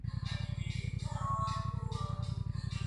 Umoja wa Afrika umeisimamisha uanachama wa Sudan tangu mkuu wa jeshi